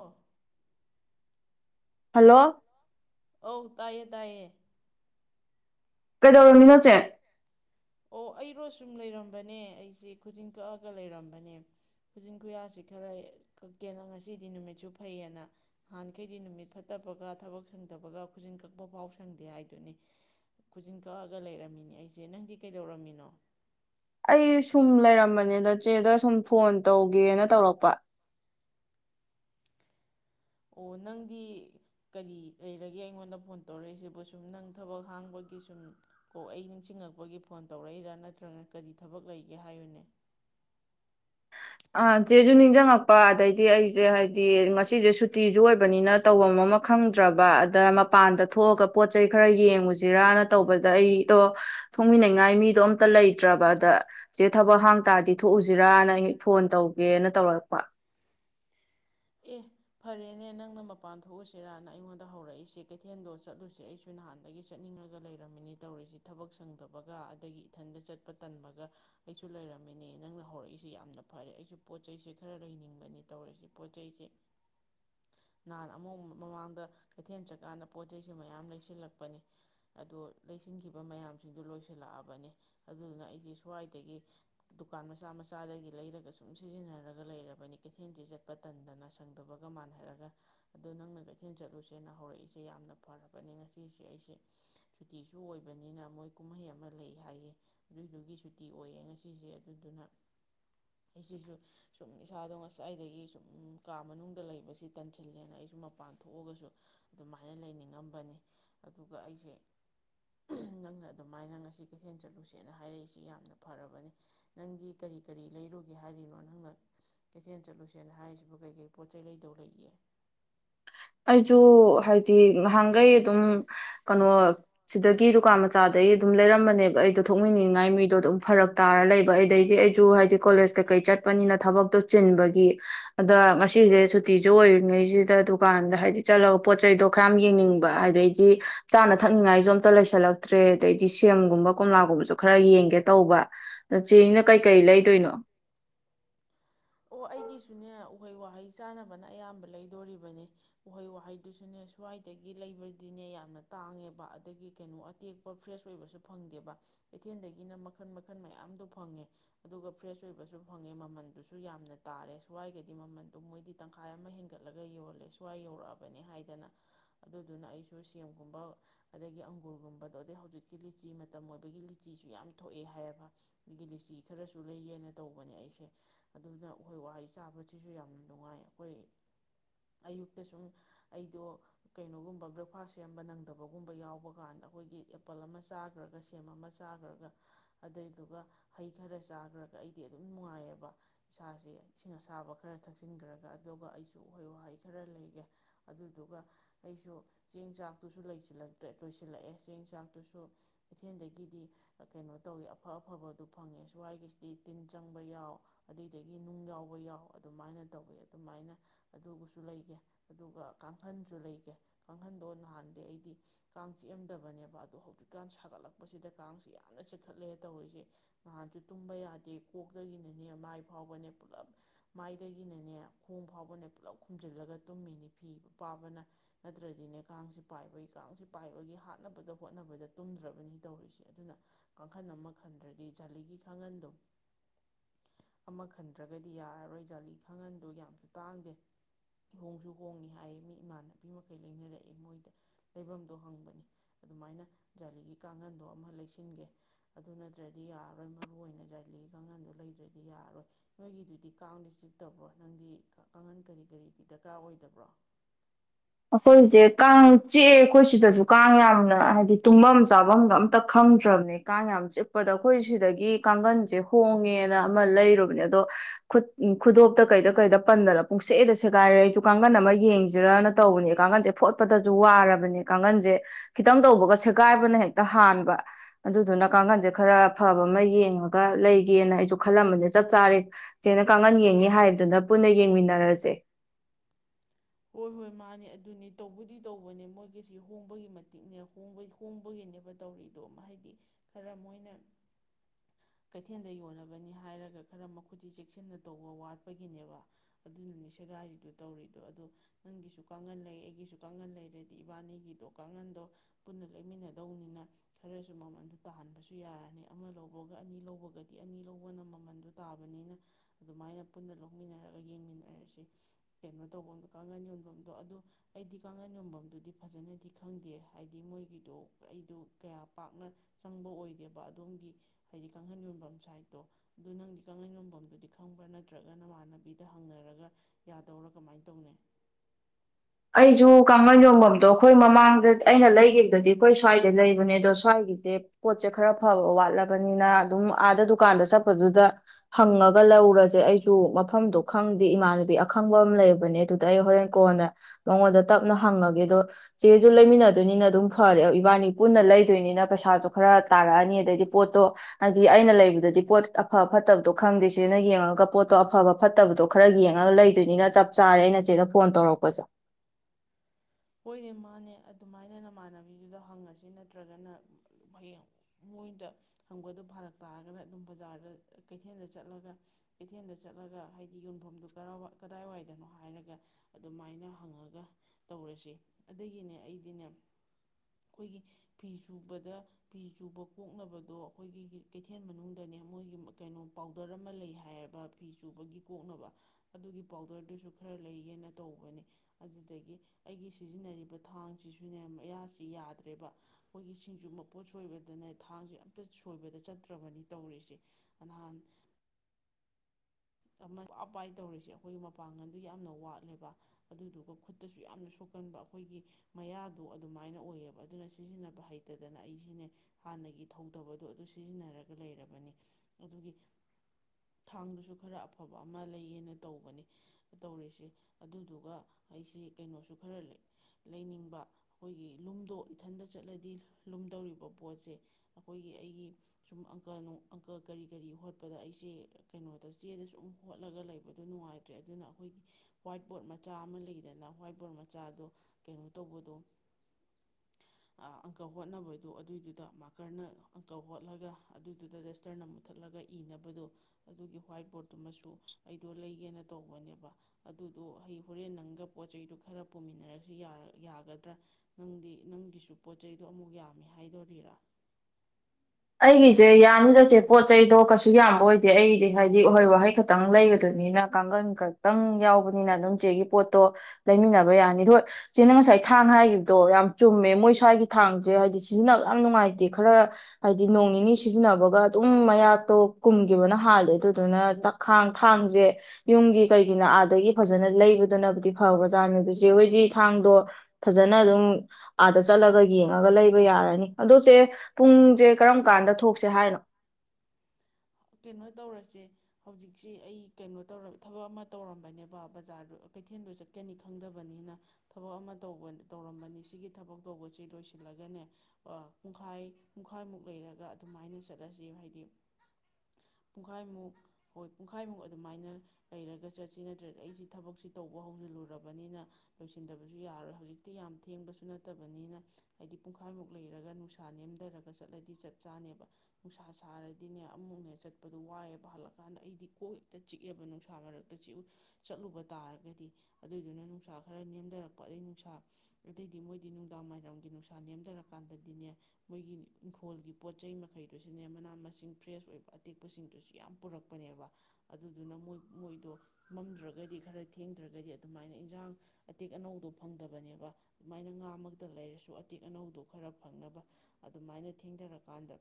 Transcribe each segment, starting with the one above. ꯑꯣ ꯍꯜꯂꯣ ꯑꯧ ꯇꯥꯏꯌꯦ ꯇꯥꯏꯌꯦ ꯀꯩꯗꯧꯔꯃꯤꯅꯣ ꯆꯦ ꯑꯣ ꯑꯩꯔꯣ ꯁꯨꯝ ꯂꯩꯔꯝꯕꯅꯦ ꯑꯩꯁꯦ ꯈꯨꯖꯤꯤꯡ ꯀꯛꯑꯒ ꯂꯩꯔꯝꯕꯅꯦ ꯈꯨꯖꯤꯟ ꯈꯨꯌꯥꯁꯤ ꯈꯔ ꯀꯛꯀꯦꯅ ꯉꯁꯤꯗꯤ ꯅꯨꯃꯤꯠꯁꯨ ꯐꯩꯌꯦꯅ ꯅꯍꯥꯟꯈꯩꯗꯤ ꯅꯨꯃꯤꯠ ꯐꯠꯇꯕꯒ ꯊꯕꯛ ꯁꯪꯗꯕꯒ ꯈꯨꯖꯤꯟ ꯀꯛꯄ ꯐꯥꯎ ꯁꯪꯗꯦ ꯍꯥꯏꯗꯨꯅꯤ ꯈꯨꯖꯤꯟ ꯀꯛꯑꯒ ꯂꯩꯔꯝꯃꯤꯅꯦ ꯑꯩꯁꯦ ꯅꯪꯗꯤ ꯀꯩꯗꯧꯔꯝꯃꯤꯅꯣ ꯑꯩ ꯁꯨꯝ ꯂꯩꯔꯝꯕꯅꯦꯗꯣ ꯆꯦꯗ ꯁꯨꯝ ꯐꯣꯟ ꯇꯧꯒꯦꯅ ꯇꯧꯔꯛꯄ ꯑꯣ ꯅꯪꯗꯤ ꯀꯔꯤ ꯂꯩꯔꯒꯦ ꯑꯩꯉꯣꯟꯗ ꯐꯣꯟ ꯇꯧꯔꯛꯏꯁꯤꯕꯨ ꯁꯨꯝ ꯅꯪ ꯊꯕꯛ ꯍꯥꯡꯕꯒꯤ ꯁꯨꯝ ꯀꯣ ꯑꯩ ꯅꯤꯡꯁꯤꯡꯉꯛꯄꯒꯤ ꯐꯣꯟ ꯇꯧꯔꯛꯏꯔꯗ ꯂꯝꯗ ꯅꯠꯇ꯭ꯔꯒꯅ ꯀꯔꯤ ꯊꯕꯛ ꯂꯩꯒꯦ ꯍꯥꯏꯌꯨꯅꯦ ꯑ ꯆꯦꯁꯨ ꯅꯤꯡꯁꯤꯡꯉꯛꯄ ꯑꯗꯩꯗꯤ ꯑꯩꯁꯦ ꯍꯥꯏꯗꯤ ꯉꯁꯤꯁꯦ ꯁꯨꯇꯤꯁꯨ ꯑꯣꯏꯕꯅꯤꯅ ꯇꯧꯐꯝ ꯑꯃ ꯈꯪꯗ꯭ꯔꯕ ꯑꯗ ꯃꯄꯥꯟꯗ ꯊꯣꯛꯑꯒ ꯄꯣꯠ ꯆꯩꯩ ꯈꯔ ꯌꯦꯡꯉꯨꯁꯤꯔꯅ ꯇꯧꯕꯗ ꯑꯩꯗꯣ ꯊꯣꯡꯃꯤꯟꯅꯉꯥꯏ ꯃꯤꯗꯣ ꯑꯝꯇ ꯂꯩꯇ꯭ꯔꯕ ꯑꯗ ꯆꯦ ꯊꯕꯛ ꯍꯥꯡ ꯇꯥꯗꯤ ꯊꯣꯛꯎꯁꯤꯔꯅ ꯑꯩ ꯐꯣꯟ ꯇꯧꯒꯦꯅ ꯇꯧꯔꯛꯄ ꯑꯦ ꯐꯔꯦꯅꯦ ꯅꯪꯅ ꯃꯄꯥꯟ ꯊꯣꯛꯎꯁꯤꯔꯅ ꯑꯩꯉꯣꯟꯗ ꯍꯧꯔꯛꯏꯁꯦ ꯀꯩꯊꯦꯜꯗꯣ ꯆꯠꯂꯨꯁꯤꯦ ꯑꯩꯁꯨ ꯅꯍꯥꯟꯗꯒꯤ ꯆꯠꯅꯤꯡꯉꯒ ꯂꯩꯔꯝꯃꯤꯅꯦ ꯇꯧꯔꯤꯁꯤ ꯊꯕꯛ ꯁꯪꯗꯕꯒ ꯑꯗꯒꯤ ꯏꯊꯟꯗ ꯆꯠꯄ ꯇꯟꯕꯒ ꯑꯩꯁꯨ ꯂꯩꯔꯝꯃꯤꯅꯦ ꯅꯪꯅ ꯍꯧꯔꯛꯏꯁꯤ ꯌꯥꯝꯅ ꯐꯔꯦ ꯑꯩꯁꯨ ꯄꯣꯠ ꯆꯩꯁꯦ ꯈꯔ ꯂꯩꯅꯤꯡꯕꯅꯤ ꯇꯧꯔꯤꯁꯤ ꯄꯣꯠ ꯆꯩꯁꯤ ꯅꯍꯥꯟ ꯑꯃꯨꯛ ꯃꯃꯥꯡꯗ ꯀꯩꯊꯦꯜ ꯆꯠꯀꯥꯟꯗ ꯄꯣꯠꯆꯩꯁꯦ ꯃꯌꯥꯝ ꯂꯩꯁꯤꯜꯂꯛꯄꯅꯤ ꯑꯣ ꯂꯩꯁꯤꯟꯈꯤꯕ ꯃꯌꯥꯝꯁꯤꯡꯗꯨ ꯂꯣꯏꯁꯤꯜꯂꯛꯑꯕꯅꯤ ꯑꯗꯨꯗꯨꯅ ꯑꯩꯁꯦ ꯁ꯭ꯋꯥꯏꯗꯒꯤ ꯗꯨꯀꯥꯟ ꯃꯆꯥ ꯃꯆꯥꯗꯒꯤ ꯂꯩꯔꯒ ꯁꯨꯝ ꯁꯤꯖꯤꯟꯅꯔꯒ ꯂꯩꯔꯕꯅꯤ ꯀꯩꯊꯦꯜꯁꯦ ꯆꯠꯄ ꯇꯟꯗꯅ ꯁꯪ ꯗꯕꯒ ꯃꯥꯟꯅꯍꯔꯒ ꯑꯗꯣ ꯅꯪꯅ ꯀꯩꯊꯦꯜ ꯆꯠꯂꯨꯁꯦꯅ ꯍꯧꯔꯛꯏꯁꯦ ꯌꯥꯝꯅ ꯐꯔꯕꯅꯦ ꯉꯁꯤꯁꯦ ꯑꯩꯁꯦ ꯁꯨꯇꯤꯁꯨ ꯑꯣꯏꯕꯅꯤꯅ ꯃꯣꯏ ꯀꯨꯝꯍꯩ ꯑꯃ ꯂꯩ ꯍꯥꯏꯌꯦ ꯑꯗꯨꯏꯗꯨꯒꯤ ꯁꯨꯇꯤ ꯑꯣꯏꯌꯦ ꯉꯁꯤꯁꯦ ꯑꯗꯨꯗꯨꯅ ꯑꯩꯁꯤꯁꯨ ꯁꯨꯝ ꯏꯁꯥꯗꯣ ꯉꯁꯥꯏꯗꯒꯤ ꯁꯨꯝ ꯀꯥ ꯃꯅꯨꯡꯗ ꯂꯩꯕꯁꯤ ꯇꯟꯁꯤꯜꯂꯦꯅ ꯑꯩꯁꯨ ꯃꯄꯥꯟ ꯊꯣꯛꯑꯒꯁꯨ ꯑꯗꯨꯃꯥꯏꯅ ꯂꯩꯅꯤꯡꯉꯝꯕꯅꯤ ꯑꯗꯨꯒ ꯑꯩꯁꯦ ꯅꯪꯅ ꯑꯗꯨꯃꯥꯏꯅ ꯉꯁꯤ ꯀꯩꯊꯦꯜ ꯆꯠꯂꯨꯁꯦꯅ ꯍꯥꯏꯔꯛꯏꯁꯤ ꯌꯥꯝꯅ ꯐꯔꯕꯅꯤ ꯅꯪꯗꯤ ꯀꯔꯤ ꯀꯔꯤ ꯂꯩꯔꯨꯒꯦ ꯍꯥꯏꯔꯤꯅꯣ ꯅꯪꯅ ꯀꯩꯊꯦꯜ ꯆꯠꯂꯨꯁꯦꯅ ꯍꯥꯏꯔꯤꯁꯤꯕꯨ ꯀꯩ ꯀꯩ ꯄꯣꯠ ꯆꯩꯩ ꯂꯩꯗꯧ ꯂꯩꯌꯦ ꯑꯩꯁꯨ ꯍꯥꯏꯗꯤ ꯉꯍꯥꯟꯒꯩ ꯑꯗꯨꯝ ꯀꯩꯅꯣ ꯁꯤꯗꯒꯤ ꯗꯨꯀꯥꯟ ꯃꯆꯥꯗꯩ ꯑꯗꯨꯝ ꯂꯩꯔꯝꯕꯅꯦꯕ ꯑꯩꯗꯣ ꯊꯣꯛꯃꯤꯟꯅꯅꯤꯡꯉꯥꯏ ꯃꯤꯗꯣ ꯑꯗꯨꯝ ꯐꯔꯛ ꯇꯥꯔ ꯂꯩꯕ ꯑꯩꯗꯩꯒꯤ ꯑꯩꯖꯨ ꯍꯥꯏꯗꯤ ꯀꯣꯂꯦꯖ ꯀꯩꯀꯩ ꯆꯠꯄꯅꯤꯅ ꯊꯕꯛꯇꯣ ꯆꯤꯟꯕꯒꯤ ꯑꯗ ꯉꯁꯤꯁꯦ ꯁꯨꯇꯤꯁꯨ ꯑꯣꯏꯔꯤꯉꯩꯁꯤꯗ ꯗꯨꯀꯥꯟꯗ ꯍꯥꯏꯗꯤ ꯆꯠꯂꯒ ꯄꯣꯠ ꯆꯩꯗꯣ ꯈꯔ ꯌꯥꯝ ꯌꯦꯡꯅꯤꯡꯕ ꯑꯗꯩꯗꯤ ꯆꯥꯅ ꯊꯛꯅꯤꯡꯉꯥꯏꯁꯨ ꯑꯝꯇ ꯂꯩꯁꯜꯂꯛꯇ꯭ꯔꯦ ꯑꯗꯩꯗꯤ ꯁꯦꯝꯒꯨꯝꯕ ꯀꯣꯝꯂꯥꯒꯨꯝꯕꯁꯨ ꯈꯔ ꯌꯦꯡꯒꯦ ꯇꯧꯕ ꯑꯗ ꯆꯦꯅ ꯀꯩꯀꯩ ꯂꯩꯗꯣꯏꯅꯣ ꯑꯣ ꯑꯩꯒꯤꯁꯨꯅꯦ ꯎꯍꯩ ꯋꯥꯍꯩ ꯆꯥꯅꯕꯅ ꯑꯌꯥꯝꯕ ꯂꯩꯗꯣꯔꯤꯕꯅꯦ ꯎꯍꯩ ꯋꯥꯍꯩꯗꯨꯁꯨꯅꯦ ꯁ꯭ꯋꯥꯏꯗꯒꯤ ꯂꯩꯕꯗꯤꯅꯦ ꯌꯥꯝꯅ ꯇꯥꯡꯉꯦꯕ ꯑꯗꯒꯤ ꯀꯩꯅꯣ ꯑꯇꯦꯛꯄ ꯐ꯭ꯔꯦꯁ ꯑꯣꯏꯕꯁꯨ ꯐꯪꯗꯦꯕ ꯀꯩꯊꯦꯜꯗꯒꯤꯅ ꯃꯈꯜ ꯃꯈꯜ ꯃꯌꯥꯝꯗꯣ ꯐꯪꯉꯦ ꯑꯗꯨꯒ ꯐ꯭ꯔꯦꯁ ꯑꯣꯏꯕꯁꯨ ꯐꯪꯉꯦ ꯃꯃꯟꯗꯨꯁꯨ ꯁꯨ ꯌꯥꯝꯅ ꯇꯥꯔꯦ ꯁ꯭ꯋꯥꯏꯒꯗꯤ ꯃꯃꯟꯗꯣ ꯃꯣꯏꯗꯤ ꯇꯪꯈꯥꯏ ꯑꯃ ꯍꯦꯟꯒꯠꯂꯒ ꯌꯣꯜꯂꯦ ꯁ꯭ꯋꯥꯏ ꯌꯧꯔꯛꯑꯕꯅꯦ ꯍꯥꯏꯗꯅ ꯑꯗꯨꯗꯨꯅ ꯑꯩꯁꯨ ꯁꯦꯝꯒꯨꯝꯕ ꯑꯗꯒꯤ ꯑꯪꯒꯨꯔꯒꯨꯝꯕꯗꯣ ꯑꯗꯩ ꯍꯧꯖꯤꯛꯀꯤ ꯂꯤꯆꯤ ꯃꯇꯝ ꯑꯣꯏꯕꯒꯤ ꯂꯤꯆꯤꯁꯨ ꯌꯥꯝ ꯊꯣꯛꯑꯦ ꯍꯥꯏꯌꯦꯕ ꯑꯗꯒꯤ ꯂꯤꯆꯤ ꯈꯔꯁꯨ ꯂꯩꯒꯦꯅ ꯇꯧꯕꯅꯦ ꯑꯩꯁꯦ ꯑꯗꯨꯅ ꯎꯍꯩ ꯋꯥꯍꯩ ꯆꯥꯕꯁꯤꯁꯨ ꯌꯥꯝꯅ ꯅꯨꯡꯉꯥꯏ ꯑꯩꯈꯣꯏ ꯑꯌꯨꯛꯇ ꯁꯨꯝ ꯑꯩꯗꯣ ꯀꯩꯅꯣꯒꯨꯝꯕ ꯕ꯭ꯔꯦꯛꯐꯥꯁ ꯁꯦꯝꯕ ꯅꯪꯗꯕꯒꯨꯝꯕ ꯌꯥꯎꯕ ꯀꯥꯟꯗ ꯑꯩꯈꯣꯏꯒꯤ ꯑꯦꯄꯜ ꯑꯃ ꯆꯥꯈ꯭ꯔꯒ ꯁꯦꯝ ꯑꯃ ꯆꯥꯈ꯭ꯔꯒ ꯑꯗꯨꯗꯩꯗꯨꯒ ꯍꯩ ꯈꯔ ꯆꯥꯈ꯭ꯔꯒ ꯑꯩꯗꯤ ꯑꯗꯨꯝ ꯅꯨꯡꯉꯥꯏꯌꯦꯕ ꯏꯁꯥꯁꯦ ꯏꯁꯤꯡ ꯑꯁꯥꯕ ꯈꯔ ꯊꯛꯆꯤꯟꯈ꯭ꯔꯒ ꯑꯗꯨꯒ ꯑꯩꯁꯨ ꯎꯍꯩ ꯋꯥꯍꯩ ꯈꯔ ꯂꯩꯒꯦ ꯑꯗꯨꯗꯨꯒ ꯑꯩꯁꯨ ꯆꯦꯡ ꯆꯥꯛꯇꯨꯁꯨ ꯂꯩꯁꯤꯜꯂꯛꯇꯔꯦ ꯂꯣꯏꯁꯤꯜꯂꯛꯑꯦ ꯆꯦꯡ ꯆꯥꯛꯇꯨꯁꯨ ꯀꯩꯊꯦꯜꯗꯒꯤꯗꯤ ꯀꯩꯅꯣ ꯇꯧꯋꯤ ꯑꯐ ꯑꯐꯕꯗꯨ ꯐꯪꯉꯦ ꯁ꯭ꯋꯥꯏꯒꯤꯁꯤꯗꯤ ꯇꯤꯟ ꯆꯪꯕ ꯌꯥꯎ ꯑꯗꯨꯏꯗꯒꯤ ꯅꯨꯡ ꯌꯥꯎꯕ ꯌꯥꯎ ꯑꯗꯨꯃꯥꯏꯅ ꯇꯧꯋꯤ ꯑꯗꯨꯃꯥꯏꯅ ꯑꯗꯨꯁꯨ ꯂꯩꯒꯦ ꯑꯗꯨꯒ ꯀꯥꯡꯈꯟꯁꯨ ꯂꯩꯒꯦ ꯀꯥꯡꯈꯟꯗꯣ ꯅꯍꯥꯟꯗꯤ ꯑꯩꯗꯤ ꯀꯥꯡ ꯆꯤꯛ ꯑꯝꯗꯕꯅꯦꯕ ꯑꯗꯣ ꯍꯧꯖꯤꯛꯀꯥꯟ ꯁꯥꯒꯠꯂꯛꯄꯁꯤꯗ ꯀꯥꯡꯁꯤ ꯌꯥꯝꯅ ꯆꯤꯈꯠꯂꯦ ꯇꯧꯔꯤꯁꯦ ꯅꯍꯥꯟꯁꯨ ꯇꯨꯝꯕ ꯌꯥꯗꯦ ꯀꯣꯛꯇꯒꯤꯅꯅꯦ ꯃꯥꯏ ꯐꯥꯎꯕꯅꯦ ꯄꯨꯜꯂꯞ ꯃꯥꯏꯗꯒꯤꯅꯅꯦ ꯈꯣꯡ ꯐꯥꯎꯕꯅꯦ ꯄꯨꯜꯂꯞ ꯈꯨꯝꯖꯤꯜꯂꯒ ꯇꯨꯝꯃꯤꯅꯦ ꯐꯤ ꯑꯄꯥꯕꯅ ꯅꯠꯇ꯭ꯔꯗꯤꯅꯦ ꯀꯥꯡꯁꯦ ꯄꯥꯏꯕꯒꯤ ꯀꯥꯡꯁꯦ ꯄꯥꯏꯕꯒꯤ ꯍꯥꯠꯅꯕꯗ ꯍꯣꯠꯅꯕꯗ ꯇꯨꯝꯗ꯭ꯔꯕꯅꯤ ꯇꯧꯔꯤꯁꯦ ꯑꯗꯨꯅ ꯀꯥꯡꯈꯜ ꯑꯃ ꯈꯟꯗ꯭ꯔꯗꯤ ꯖꯥꯂꯤꯒꯤ ꯀꯥꯡꯈꯟꯗꯣ ꯑꯃ ꯈꯟꯗ꯭ꯔꯒꯗꯤ ꯌꯥꯔꯔꯣꯏ ꯖꯥꯂꯤꯒꯤ ꯀꯥꯡꯒꯟꯗꯣ ꯌꯥꯝꯁꯨ ꯇꯥꯡꯗꯦ ꯍꯣꯡꯁꯨ ꯍꯣꯡꯉꯤ ꯍꯥꯏꯌꯦ ꯃꯤ ꯏꯃꯥꯟꯅꯕꯤ ꯃꯈꯩ ꯂꯩꯅꯔꯛꯑꯦ ꯃꯣꯏꯗ ꯂꯩꯐꯝꯗꯣ ꯍꯪꯕꯅꯤ ꯑꯗꯨꯃꯥꯏꯅ ꯖꯥꯂꯤꯒꯤ ꯀꯥꯡꯈꯟꯗꯣ ꯑꯃ ꯂꯩꯁꯤꯟꯒꯦ ꯑꯗꯨ ꯅꯠꯇ꯭ꯔꯗꯤ ꯌꯥꯔꯔꯣꯏ ꯃꯔꯨ ꯑꯣꯏꯅ ꯖꯥꯂꯤꯒꯤ ꯀꯥꯡꯈꯟꯗꯣ ꯂꯩꯗ꯭ꯔꯗꯤ ꯌꯥꯔꯣꯏ ꯑꯔꯣꯏ ꯅꯣꯏꯒꯤꯗꯨꯗꯤ ꯀꯥꯡꯗꯤ ꯆꯤꯛꯇꯕ꯭ꯔꯣ ꯅꯪꯗꯤ ꯀꯥꯡꯈꯟ ꯀꯔꯤ ꯀꯔꯤꯗꯤ ꯗꯔꯀꯥꯔ ꯑꯣꯏꯗꯕ꯭ꯔꯣ ꯑꯩꯈꯣꯏꯖꯦ ꯀꯥꯡ ꯆꯤꯛꯑꯦ ꯑꯩꯈꯣꯏ ꯁꯤꯗꯁꯨ ꯀꯥꯡ ꯌꯥꯝꯅ ꯍꯥꯏꯗꯤ ꯇꯨꯡꯐꯝ ꯆꯥꯐꯝꯗ ꯑꯝꯇ ꯈꯪꯗ꯭ꯔꯕꯅꯦ ꯀꯥꯡ ꯌꯥꯝ ꯆꯤꯛꯄꯗ ꯑꯩꯈꯣꯏ ꯁꯤꯗꯒꯤ ꯀꯥꯡꯒꯟꯁꯦ ꯍꯣꯡꯉꯦꯅ ꯑꯃ ꯂꯩꯔꯨꯕꯅꯦ ꯑꯗꯣ ꯈꯨꯠ ꯈꯨꯗꯣꯞꯇ ꯀꯩꯗ ꯀꯩꯗ ꯄꯟꯗꯅ ꯄꯨꯡꯁꯦꯗ ꯁꯦꯒꯥꯏꯔꯦ ꯑꯩꯁꯨ ꯀꯥꯡꯒꯟ ꯑꯃ ꯌꯦꯡꯖꯤꯔꯅ ꯇꯧꯕꯅꯦ ꯀꯥꯡꯒꯜꯖꯦ ꯐꯣꯠꯄꯗꯁꯨ ꯋꯥꯔꯕꯅꯦ ꯀꯥꯡꯒꯟꯖꯦ ꯈꯤꯇꯪ ꯇꯧꯕꯒ ꯁꯦꯒꯥꯏꯕꯅ ꯍꯦꯛꯇ ꯍꯥꯟꯕ ꯑꯗꯨꯗꯨꯅ ꯀꯥꯡꯒꯟꯖꯦ ꯈꯔ ꯐꯕ ꯑꯃ ꯌꯦꯡꯉꯒ ꯂꯩꯒꯦꯅ ꯑꯩꯁꯨ ꯈꯜꯂꯝꯕꯅꯦ ꯆꯞ ꯆꯥꯔꯦ ꯁꯦꯡꯅ ꯀꯥꯡꯒꯟ ꯌꯦꯡꯅꯤ ꯍꯥꯏꯕꯗꯨꯅ ꯄꯨꯟꯅ ꯌꯦꯡꯃꯤꯟꯅꯔꯖꯦ ꯍꯣꯏ ꯍꯣꯏ ꯃꯥꯅꯦ ꯑꯗꯨꯅꯤ ꯇꯧꯕꯨꯗꯤ ꯇꯧꯕꯅꯦ ꯃꯣꯏꯒꯤꯁꯤ ꯍꯣꯡꯕꯒꯤ ꯃꯇꯤꯛꯅꯦꯕ ꯍꯣꯡꯕꯒꯤꯅꯦꯕ ꯇꯧꯔꯤꯗꯣ ꯍꯥꯏꯗꯤ ꯈꯔ ꯃꯣꯏꯅ ꯀꯩꯊꯦꯜꯗ ꯌꯣꯜꯂꯕꯅꯤ ꯍꯥꯏꯔꯒ ꯈꯔ ꯃꯈꯨꯠꯁꯤ ꯆꯦꯛꯁꯤꯟꯅ ꯇꯧꯕ ꯋꯥꯠꯄꯒꯤꯅꯦꯕ ꯑꯗꯨꯅꯅꯤ ꯁꯦꯒꯥꯏꯔꯤꯗꯨ ꯇꯧꯔꯤꯗꯣ ꯑꯗꯨꯗꯣ ꯅꯪꯒꯤꯁꯨ ꯀꯥꯡꯈꯟ ꯂꯩ ꯑꯩꯒꯤꯁꯨ ꯀꯥꯡꯈꯟ ꯂꯩꯔꯗꯤ ꯏꯕꯥꯅꯤꯒꯤꯗꯣ ꯀꯥꯡꯒꯟꯗꯣ ꯄꯨꯟꯅ ꯂꯩꯃꯤꯟꯅꯗꯧꯅꯤꯅ ꯈꯔꯁꯨ ꯃꯃꯜꯗꯣ ꯇꯥꯍꯟꯕꯁꯨ ꯌꯥꯔꯅꯤ ꯑꯃ ꯂꯧꯕꯒ ꯑꯅꯤ ꯂꯧꯕꯒꯗꯤ ꯑꯅꯤ ꯂꯧꯕꯅ ꯃꯃꯜꯗꯨ ꯇꯥꯕꯅꯤꯅ ꯑꯗꯨꯃꯥꯏꯅ ꯄꯨꯟꯅ ꯂꯧꯃꯤꯟꯅꯔꯒ ꯌꯦꯡꯃꯤꯟꯅꯔꯁꯤ ꯀꯩꯅꯣ ꯇꯧꯕ ꯀꯥꯡꯒꯟ ꯌꯣꯟꯕꯝꯗꯣ ꯑꯗꯨ ꯑꯩꯗꯤ ꯀꯥꯡꯒꯟ ꯌꯣꯟꯕꯝꯗꯨꯗꯤ ꯐꯖꯅꯗꯤ ꯈꯪꯗꯦ ꯍꯥꯏꯗꯤ ꯃꯣꯏꯒꯤꯗꯣ ꯑꯩꯗꯣ ꯀꯌꯥ ꯄꯥꯛꯅ ꯆꯪꯕ ꯑꯣꯏꯗꯦꯕ ꯑꯗꯣꯝꯒꯤ ꯍꯥꯏꯗꯤ ꯀꯥꯡꯒꯟ ꯌꯣꯟꯕꯝ ꯁꯥꯏꯠꯇꯣ ꯑꯗꯨ ꯅꯪꯗꯤ ꯀꯥꯡꯒꯟ ꯌꯣꯟꯐꯝꯗꯨꯗꯤ ꯈꯪꯕ꯭ꯔꯥ ꯅꯠꯇ꯭ꯔꯒ ꯅꯃꯥꯟꯅꯕꯤꯗ ꯍꯪꯅꯔꯒ ꯌꯥꯗꯧꯔꯥ ꯀꯃꯥꯏꯅ ꯇꯧꯅꯩ ꯑꯩꯖ ꯀꯥꯡꯒꯟ ꯌꯣꯡꯐꯝꯗꯣ ꯑꯩꯈꯣꯏ ꯃꯃꯥꯡꯗ ꯑꯩꯅ ꯂꯩꯒꯤꯕꯗꯗꯤ ꯑꯩꯈꯣꯏ ꯁ꯭ꯋꯥꯏꯗ ꯂꯩꯕꯅꯦ ꯑꯗꯣ ꯁ꯭ꯋꯥꯏꯒꯤꯁꯦ ꯄꯣꯠꯁꯦ ꯈꯔ ꯐꯕ ꯋꯥꯠꯂꯕꯅꯤꯅ ꯑꯗꯨꯝ ꯑꯥꯗ ꯗꯨꯀꯥꯟꯗ ꯆꯠꯄꯗꯨꯗ ꯍꯪꯉꯒ ꯂꯧꯔꯖꯦ ꯑꯩꯁꯨ ꯃꯐꯝꯗꯣ ꯈꯪꯗꯦ ꯏꯃꯥꯟꯅꯕꯤ ꯑꯈꯪꯕ ꯑꯃ ꯂꯩꯕꯅꯦ ꯑꯗꯨꯗ ꯑꯩ ꯍꯣꯔꯦꯟ ꯀꯣꯟꯅ ꯃꯉꯣꯟꯗ ꯇꯞꯅ ꯍꯪꯉꯒꯦ ꯑꯗꯣ ꯆꯦꯁꯨ ꯂꯩꯃꯤꯟꯅꯗꯣꯏꯅꯤꯅ ꯑꯗꯨꯝ ꯐꯔꯦ ꯏꯕꯥꯅꯤ ꯄꯨꯟꯅ ꯂꯩꯗꯣꯏꯅꯤꯅ ꯄꯩꯁꯥꯁꯨ ꯈꯔ ꯇꯥꯔꯛꯑꯅꯤ ꯑꯗꯩꯗꯤ ꯄꯣꯠꯇꯣ ꯍꯥꯏꯗꯤ ꯑꯩꯅ ꯂꯩꯕꯗꯗꯤ ꯄꯣꯠ ꯑꯐ ꯐꯠꯇꯕꯗꯣ ꯈꯪꯗꯦ ꯆꯦꯅ ꯌꯦꯡꯉꯒ ꯄꯣꯠꯇꯣ ꯑꯐꯕ ꯐꯠꯇꯕꯗꯣ ꯈꯔ ꯌꯦꯡꯉꯒ ꯂꯩꯗꯣꯏꯅꯤꯅ ꯆꯞ ꯆꯥꯔꯦ ꯑꯩꯅ ꯆꯦꯗ ꯐꯣꯟ ꯇꯧꯔꯛꯄꯁꯦ ꯍꯣꯏꯅꯦ ꯃꯥꯅꯦ ꯑꯗꯨꯃꯥꯏꯅ ꯅꯃꯥꯟꯅꯕꯤꯗꯨꯗ ꯍꯪꯉꯁꯤ ꯅꯠꯇ꯭ꯔꯒꯅ ꯍꯌꯦꯡ ꯃꯣꯏꯗ ꯍꯪꯕꯗꯨ ꯐꯥꯔꯛ ꯇꯥꯔꯒꯅ ꯑꯗꯨꯝ ꯕꯖꯥꯔꯗ ꯀꯩꯊꯦꯜꯗ ꯆꯠꯂꯒ ꯀꯩꯊꯦꯜꯗ ꯆꯠꯂꯒ ꯍꯥꯏꯗꯤ ꯌꯣꯟꯐꯝꯗꯨ ꯀꯗꯥꯏꯋꯥꯏꯗꯅꯣ ꯍꯥꯏꯔꯒ ꯑꯗꯨꯃꯥꯏꯅ ꯍꯪꯉꯒ ꯇꯧꯔꯁꯤ ꯑꯗꯨꯒꯤꯅꯦ ꯑꯩꯗꯤꯅꯦ ꯑꯩꯈꯣꯏꯒꯤ ꯐꯤ ꯁꯨꯕꯗ ꯐꯤ ꯆꯨꯕ ꯀꯣꯛꯅꯕꯗꯣ ꯑꯩꯈꯣꯏꯒꯤ ꯀꯩꯊꯦꯜ ꯃꯅꯨꯡꯗꯅꯦ ꯃꯣꯏꯒꯤ ꯀꯩꯅꯣ ꯄꯥꯎꯗꯔ ꯑꯃ ꯂꯩ ꯍꯥꯏꯌꯦꯕ ꯐꯤ ꯆꯨꯕꯒꯤ ꯀꯣꯛꯅꯕ ꯑꯗꯨꯒꯤ ꯄꯥꯎꯗꯔꯗꯨꯁꯨ ꯈꯔ ꯂꯩꯒꯦꯅ ꯇꯧꯕꯅꯦ ꯑꯗꯨꯗꯒꯤ ꯑꯩꯒꯤ ꯁꯤꯖꯤꯟꯅꯔꯤꯕ ꯊꯥꯡꯁꯤꯁꯨꯅꯦ ꯃꯌꯥꯁꯤ ꯌꯥꯗ꯭ꯔꯦꯕ ꯑꯩꯈꯣꯏꯒꯤ ꯁꯤꯡꯖꯨ ꯃꯄꯣꯠ ꯁꯣꯏꯕꯗꯅꯦ ꯊꯥꯡꯁꯦ ꯑꯝꯇ ꯁꯣꯏꯕꯗ ꯆꯠꯇ꯭ꯔꯕꯅꯤ ꯇꯧꯔꯤꯁꯦ ꯅꯍꯥꯟ ꯑ ꯄꯥꯏ ꯇꯧꯔꯤꯁꯦ ꯑꯩꯈꯣꯏꯒꯤ ꯃꯄꯥꯡꯒꯜꯗꯨ ꯌꯥꯝꯅ ꯋꯥꯠꯂꯦꯕ ꯑꯗꯨꯗꯨꯒ ꯈꯨꯠꯇꯁꯨ ꯌꯥꯝꯅ ꯁꯣꯛꯀꯟꯕ ꯑꯩꯈꯣꯏꯒꯤ ꯃꯌꯥꯗꯣ ꯑꯗꯨꯃꯥꯏꯅ ꯑꯣꯏꯌꯦꯕ ꯑꯗꯨꯅ ꯁꯤꯖꯤꯟꯅꯕ ꯍꯩꯇꯗꯅ ꯑꯩꯁꯤꯅꯦ ꯍꯥꯟꯅꯒꯤ ꯊꯧꯗꯕꯗꯣ ꯑꯗꯨ ꯁꯤꯖꯤꯟꯅꯔꯒ ꯂꯩꯔꯕꯅꯤ ꯑꯗꯨꯒꯤ ꯊꯥꯡꯗꯨꯁꯨ ꯈꯔ ꯑꯐꯕ ꯑꯃ ꯂꯩꯒꯦꯅ ꯇꯧꯕꯅꯤ ꯇꯧꯔꯤꯁꯦ ꯑꯗꯨꯗꯨꯒ ꯑꯩꯁꯦ ꯀꯩꯅꯣꯁꯨ ꯈꯔ ꯂꯩꯅꯤꯡꯕ ꯑꯩꯈꯣꯏꯒꯤ ꯂꯨꯝꯗꯣ ꯏꯊꯟꯗ ꯆꯠꯂꯗꯤ ꯂꯨꯝꯗꯧꯔꯤꯕ ꯄꯣꯠꯁꯦ ꯑꯩꯈꯣꯏꯒꯤ ꯑꯩꯒꯤ ꯁꯨꯝ ꯑꯪꯀ ꯑꯪꯀ ꯀꯔꯤ ꯀꯔꯤ ꯍꯣꯠꯄꯗ ꯑꯩꯁꯦ ꯀꯩꯅꯣ ꯑꯗꯣ ꯆꯦꯗ ꯁꯨꯝ ꯍꯣꯠꯂꯒ ꯂꯩꯕꯗꯣ ꯅꯨꯡꯉꯥꯏꯇ꯭ꯔꯦ ꯑꯗꯨꯅ ꯑꯩꯈꯣꯏꯒꯤ ꯋꯥ꯭ꯍꯏꯠ ꯕꯣꯔꯗ ꯃꯆꯥ ꯑꯃ ꯂꯩꯗꯅ ꯋꯥ꯭ꯍꯏꯠ ꯕꯣꯔꯗ ꯃꯆꯥꯗꯣ ꯀꯩꯅꯣ ꯇꯧꯕꯗꯣ ꯑꯪꯀ ꯍꯣꯠꯅꯕꯗꯣ ꯑꯗꯨꯏꯗꯨꯗ ꯃꯥꯀꯔꯅ ꯑꯪꯀ ꯍꯣꯠꯂꯒ ꯑꯗꯨꯗꯨꯗ ꯔꯦꯁꯇꯔꯅ ꯃꯨꯠꯊꯠꯂꯒ ꯏꯅꯕꯗꯣ ꯑꯗꯨꯒꯤ ꯋꯥꯏꯠ ꯕꯣꯔꯠꯇꯨꯃꯁꯨ ꯑꯩꯗꯣ ꯂꯩꯒꯦꯅ ꯇꯧꯕꯅꯦꯕ ꯑꯗꯨꯗꯣ ꯑꯩ ꯍꯣꯔꯦꯟ ꯅꯪꯒ ꯄꯣꯠ ꯆꯩꯗꯨꯣ ꯈꯔ ꯄꯨꯃꯤꯟꯅꯔꯁꯨ ꯌꯥꯒꯗ꯭ꯔꯥ ꯅꯪꯗꯤ ꯅꯪꯒꯤꯁꯨ ꯄꯣꯠ ꯆꯩꯗꯣ ꯑꯃꯨꯛ ꯌꯥꯝꯃꯤ ꯍꯥꯏꯗꯣꯔꯤꯔꯥ ꯑꯩꯒꯤꯁꯦ ꯌꯥꯅꯤꯗ ꯆꯦ ꯄꯣꯠ ꯆꯩꯗꯣ ꯀꯩꯁꯨ ꯌꯥꯝꯕ ꯑꯣꯏꯗꯦ ꯑꯩꯗꯤ ꯍꯥꯏꯗꯤ ꯎꯍꯩ ꯋꯥꯍꯩ ꯈꯛꯇꯪ ꯂꯩꯒꯗꯕꯅꯤꯅ ꯀꯥꯡꯒꯟ ꯈꯛꯇꯪ ꯌꯥꯎꯕꯅꯤꯅ ꯑꯗꯨꯝ ꯆꯦꯒꯤ ꯄꯣꯠꯇꯣ ꯂꯩꯃꯤꯟꯅꯕ ꯌꯥꯅꯤ ꯍꯣꯏ ꯆꯦꯅ ꯉꯁꯥꯏ ꯊꯥꯡ ꯍꯥꯏꯈꯤꯕꯗꯣ ꯌꯥꯝ ꯆꯨꯝꯃꯦ ꯃꯣꯏ ꯁ꯭ꯋꯥꯏꯒꯤ ꯊꯥꯡꯁꯦ ꯍꯥꯏꯗꯤ ꯁꯤꯖꯤꯟꯅꯕ ꯌꯥꯝ ꯅꯨꯡꯉꯥꯏꯇꯦ ꯈꯔ ꯍꯥꯏꯗꯤ ꯅꯣꯡ ꯅꯤꯅꯤ ꯁꯤꯖꯤꯟꯅꯕꯒ ꯑꯗꯨꯝ ꯃꯌꯥꯛꯇꯣ ꯀꯨꯝꯒꯤꯕꯅ ꯍꯥꯜꯂꯦ ꯑꯗꯨꯗꯨꯅ ꯇꯈꯥꯡ ꯊꯥꯡꯖꯦ ꯌꯨꯝꯒꯤ ꯀꯩꯒꯤꯅ ꯑꯥꯗꯒꯤ ꯐꯖꯅ ꯂꯩꯕꯗꯅꯕꯨꯗꯤ ꯐꯕꯖꯥꯠꯅꯤ ꯑꯗꯨ ꯏꯆꯦ ꯍꯣꯏꯗꯤ ꯊꯥꯡꯗꯣ ꯐꯖꯅ ꯑꯗꯨꯝ ꯑꯥꯗ ꯆꯠꯂꯒ ꯌꯦꯡꯉꯒ ꯂꯩꯕ ꯌꯥꯔꯅꯤ ꯑꯗꯨꯗꯣ ꯆꯦ ꯄꯨꯡꯖꯦ ꯀꯔꯝ ꯀꯥꯟꯗ ꯊꯣꯛꯁꯦ ꯍꯥꯏꯅꯣ ꯀꯩꯅꯣ ꯇꯧꯔꯁꯦ ꯍꯧꯖꯤꯛꯁꯤ ꯑꯩ ꯀꯩꯅꯣ ꯇꯧꯔ ꯊꯕꯛ ꯑꯃ ꯇꯧꯔꯝꯕꯅꯦꯕ ꯕꯖꯥꯔꯗ ꯀꯩꯊꯦꯜꯗ ꯆꯠꯀꯅꯤ ꯈꯪꯗꯕꯅꯤꯅ ꯊꯕꯛ ꯑꯃ ꯇꯧꯕ ꯇꯧꯔꯝꯕꯅꯤ ꯁꯤꯒꯤ ꯊꯕꯛ ꯇꯧꯕꯁꯤ ꯂꯣꯏꯁꯤꯜꯂꯒꯅꯦ ꯄꯨꯡꯈꯥꯏ ꯄꯨꯡꯈꯥꯏꯃꯨꯛ ꯂꯩꯔꯒ ꯑꯗꯨꯃꯥꯏꯅ ꯆꯠꯂꯁꯤ ꯍꯥꯏꯗꯤ ꯄꯨꯡꯈꯥꯏꯃꯨꯛ ꯍꯣꯏ ꯄꯨꯡꯈꯥꯏꯃꯨꯛ ꯑꯗꯨꯃꯥꯏꯅ ꯂꯩꯔꯒ ꯆꯠꯁꯤ ꯅꯠꯇ꯭ꯔꯗꯤ ꯑꯩꯁꯤ ꯊꯕꯛꯁꯤ ꯇꯧꯕ ꯍꯧꯖꯤꯜꯂꯨꯔꯕꯅꯤꯅ ꯂꯣꯏꯁꯤꯟꯗꯕꯁꯨ ꯌꯥꯔꯣꯏ ꯍꯧꯖꯤꯛꯇꯤ ꯌꯥꯝ ꯊꯦꯡꯕꯁꯨ ꯅꯠꯇꯕꯅꯤꯅ ꯍꯥꯏꯗꯤ ꯄꯨꯡꯈꯥꯏꯃꯨꯛ ꯂꯩꯔꯒ ꯅꯨꯡꯁꯥ ꯅꯦꯝꯊꯔꯒ ꯆꯠꯂꯗꯤ ꯆꯞ ꯆꯥꯅꯦꯕ ꯅꯨꯡꯁꯥ ꯁꯥꯔꯗꯤꯅꯦ ꯑꯃꯨꯛꯅꯦ ꯆꯠꯄꯗꯨ ꯋꯥꯏꯌꯦꯕ ꯍꯜꯂꯛꯀꯥꯟꯗ ꯑꯩꯗꯤ ꯀꯣꯛ ꯍꯦꯛꯇ ꯆꯤꯛꯑꯦꯕ ꯅꯨꯡꯁꯥ ꯃꯔꯛꯇ ꯆꯎ ꯆꯠꯂꯨꯕ ꯇꯥꯔꯒꯗꯤ ꯑꯗꯨꯏꯗꯨꯅ ꯅꯨꯡꯁꯥ ꯈꯔ ꯅꯦꯝꯗꯔꯛꯄ ꯑꯗꯩ ꯅꯨꯡꯁꯥ ꯑꯗꯩꯗꯤ ꯃꯣꯏꯗꯤ ꯅꯨꯡꯗꯥꯡ ꯋꯥꯏꯔꯝꯒꯤ ꯅꯨꯡꯁꯥ ꯅꯦꯝꯗꯔꯀꯥꯟꯗꯗꯤꯅꯦ ꯃꯣꯏꯒꯤ ꯏꯪꯈꯣꯜꯒꯤ ꯄꯣꯠ ꯆꯩ ꯃꯈꯩꯗꯨꯁꯨꯅꯦ ꯃꯅꯥ ꯃꯁꯤꯡ ꯐ꯭ꯔꯦꯁ ꯑꯣꯏꯕ ꯑꯇꯦꯛꯄꯁꯤꯡꯗꯨꯁꯨ ꯌꯥꯝ ꯄꯨꯔꯛꯄꯅꯦꯕ ꯑꯗꯨꯗꯨꯅ ꯃꯣꯏ ꯃꯣꯏꯗꯣ ꯃꯝꯗ꯭ꯔꯒꯗꯤ ꯈꯔ ꯊꯦꯡꯗ꯭ꯔꯒꯗꯤ ꯑꯗꯨꯃꯥꯏꯅ ꯏꯟꯖꯥꯡ ꯑꯇꯦꯛ ꯑꯅꯧꯗꯣ ꯐꯪꯗꯕꯅꯦꯕ ꯑꯗꯨꯃꯥꯏꯅ ꯉꯥꯃꯛꯇ ꯂꯩꯔꯁꯨ ꯑꯇꯦꯛ ꯑꯅꯧꯗꯣ ꯈꯔ ꯐꯪꯅꯕ ꯑꯗꯨꯃꯥꯏꯅ ꯊꯦꯡꯗꯔꯀꯥꯟꯗ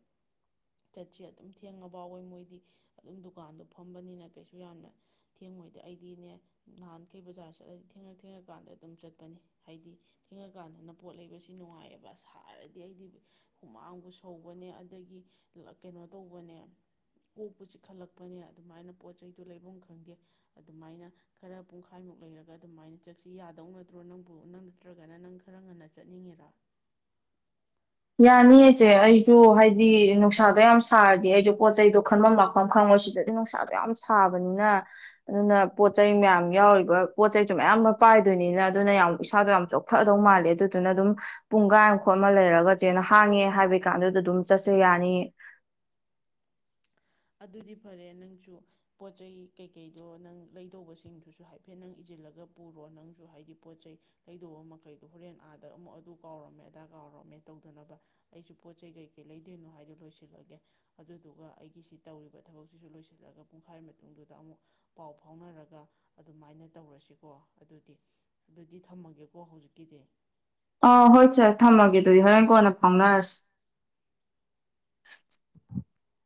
ꯆꯠꯁꯦ ꯑꯗꯨꯝ ꯊꯦꯡꯉꯐꯥꯎꯋꯦ ꯃꯣꯏꯗꯤ ꯑꯗꯨꯝ ꯗꯨꯀꯥꯟꯗꯣ ꯐꯝꯕꯅꯤꯅ ꯀꯩꯁꯨ ꯌꯥꯝꯅ ꯊꯦꯡꯉꯣꯏꯗ ꯑꯩꯗꯤꯅꯦ ꯅꯍꯥꯟꯈꯩ ꯕꯖꯥꯔ ꯆꯠꯂꯗꯤ ꯊꯦꯡꯉ ꯊꯦꯡꯉ ꯀꯥꯟꯗ ꯑꯗꯨꯝ ꯆꯠꯄꯅꯤ ꯍꯥꯏꯗꯤ ꯊꯦꯡꯉꯀꯥꯟꯗꯅ ꯄꯣꯠ ꯂꯩꯕꯁꯤ ꯅꯨꯡꯉꯥꯏꯌꯦꯕ ꯁꯥꯔꯗꯤ ꯑꯩꯗꯤ ꯍꯨꯃꯥꯡꯕꯨ ꯁꯧꯕꯅꯦ ꯑꯗꯒꯤ ꯀꯩꯅꯣ ꯇꯧꯕ ꯄꯅꯦ ꯀꯣꯛꯄꯨ ꯆꯤꯛꯈꯠꯂꯛꯄꯅꯦ ꯑꯗꯨꯃꯥꯏꯅ ꯄꯣꯠ ꯆꯩꯗꯨ ꯂꯩꯕꯝ ꯈꯪꯗꯦ ꯑꯗꯨꯃꯥꯏꯅ ꯈꯔ ꯄꯨꯡꯈꯥꯏꯃꯨꯛ ꯂꯩꯔꯒ ꯑꯗꯨꯃꯥꯏꯅ ꯆꯠꯁꯤ ꯌꯥꯗꯧꯅꯗ꯭ꯔꯣ ꯅꯪꯕꯨ ꯅꯪ ꯅꯠꯇ꯭ꯔꯒꯅ ꯅꯪ ꯈꯔ ꯉꯟꯅ ꯆꯠꯅꯤꯡꯉꯤꯔꯥ ꯌꯥꯅꯤꯌꯦ ꯏꯆꯦ ꯑꯩꯁꯨ ꯍꯥꯏꯗꯤ ꯅꯨꯡꯁꯥꯗꯣ ꯌꯥꯝ ꯁꯥꯔꯗꯤ ꯑꯩꯖꯨ ꯄꯣꯠꯆꯗꯣ ꯈꯟꯐꯝ ꯂꯥꯛꯐꯝ ꯈꯪꯉꯣꯏ ꯁꯤꯗꯗꯤ ꯅꯨꯡꯁꯥꯗꯣ ꯌꯥꯝ ꯁꯥꯕꯅꯤꯅ ꯑꯗꯨꯅ ꯄꯣꯠ ꯆꯩꯩ ꯃꯌꯥꯝ ꯌꯥꯎꯔꯤꯕ ꯄꯣꯠ ꯆꯩꯗꯣ ꯃꯌꯥꯝ ꯑꯃ ꯄꯥꯏꯗꯣꯏꯅꯤꯅ ꯑꯗꯨꯅ ꯌꯥꯝ ꯏꯁꯩꯥꯗꯣ ꯌꯥꯝ ꯆꯣꯛꯊꯗꯧ ꯃꯥꯜꯂꯦ ꯑꯗꯨꯗꯨꯅ ꯑꯗꯨꯝ ꯄꯨꯡꯒꯥꯏ ꯑꯃ ꯈꯣꯠ ꯑꯃ ꯂꯩꯔꯒ ꯆꯦꯅ ꯍꯥꯡꯉꯦ ꯍꯥꯏꯕꯩ ꯀꯥꯟꯗꯨꯗ ꯑꯗꯨꯝ ꯆꯠꯁꯦ ꯌꯥꯅꯤꯌꯦ ꯑꯗꯨꯗꯤ ꯐꯔꯦ ꯅꯪꯁꯨ ꯄꯣꯠ ꯆꯩ ꯀꯩꯀꯩꯗꯣ ꯅꯪ ꯂꯩꯗꯧꯕꯁꯤꯡꯗꯨꯁꯨ ꯍꯥꯏꯐꯦꯠ ꯅꯪ ꯏꯖꯤꯜꯂꯒ ꯄꯨꯔꯣ ꯅꯪꯁꯨ ꯍꯥꯏꯗꯤ ꯄꯣꯠ ꯆꯩꯩ ꯂꯩꯗꯧꯕ ꯃꯈꯩꯗꯣ ꯍꯣꯔꯦꯟ ꯑꯥꯗ ꯑꯃꯨꯛ ꯑꯗꯨ ꯀꯥꯎꯔꯝꯃꯦ ꯑꯗꯥ ꯀꯥꯎꯔꯝꯃꯦ ꯇꯧꯗꯅꯕ ꯑꯩꯁꯨ ꯄꯣꯠ ꯆꯩ ꯀꯩꯀꯩ ꯂꯩꯗꯣꯏꯅꯣ ꯍꯥꯏꯗꯣ ꯂꯣꯏꯁꯤꯜꯂꯒꯦ ꯑꯗꯨꯗꯨꯒ ꯑꯩꯒꯤꯁꯨ ꯇꯧꯔꯤꯕ ꯊꯕꯛꯁꯤꯁꯨ ꯂꯣꯏꯁꯤꯜꯂꯒ ꯄꯨꯡꯈꯥꯏ ꯃꯇꯨꯡꯗꯨꯗ ꯑꯃꯨꯛ ꯄꯥꯎ ꯐꯥꯎꯅꯔꯒ ꯑꯗꯨꯃꯥꯏꯅ ꯇꯧꯔꯁꯤꯀꯣ ꯑꯗꯨꯗꯤ ꯑꯗꯨꯗꯤ ꯊꯝꯃꯒꯦꯀꯣ ꯍꯧꯖꯤꯛꯀꯤꯗꯤ ꯑꯥ ꯍꯣꯏ ꯁꯔ ꯊꯝꯃꯒꯦ ꯑꯗꯨꯗꯤ ꯍꯣꯔꯦꯟ ꯀꯣꯟꯅ ꯐꯥꯎꯅꯔꯁꯤ [inaudible]